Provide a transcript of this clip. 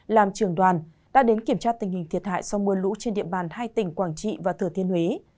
làm trưởng đoàn đã đến kiểm tra tình hình thiệt hại do mưa lũ trên địa bàn hai tỉnh quảng trị và thừa thiên huế